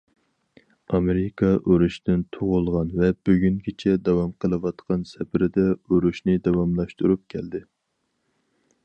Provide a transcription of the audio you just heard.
ئامېرىكا ئۇرۇشتىن تۇغۇلغان ۋە بۈگۈنگىچە داۋام قىلىۋاتقان سەپىرىدە ئۇرۇشنى داۋاملاشتۇرۇپ كەلدى.